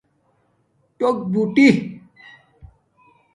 ٹݸک بݸٹی